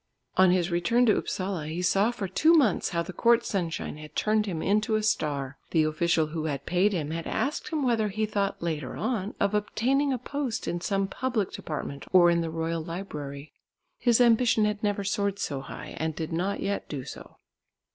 On his return to Upsala, he saw for two months how the court sunshine had turned him into a star. The official who had paid him, had asked him whether he thought later on of obtaining a post in some public department or in the Royal Library. His ambition had never soared so high and did not yet do so.